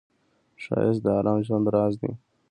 ښایست د آرام ژوند راز دی